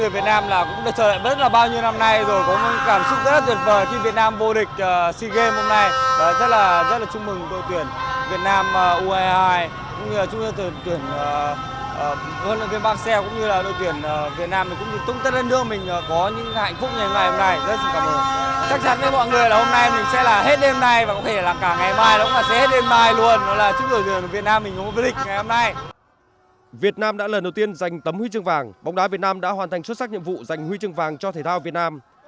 việt nam đã lần đầu tiên giành tấm huy chương vàng bóng đá việt nam đã hoàn thành xuất sắc nhiệm vụ giành huy chương vàng cho thể thao việt nam